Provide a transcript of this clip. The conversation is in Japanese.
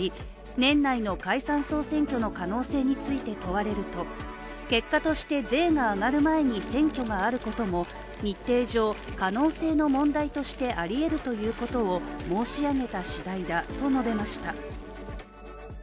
年内の解散総選挙の可能性について問われると結果として、税が上がる前に選挙があることも日程上、可能性の問題としてありえるということを申し上げた次第だと述べました。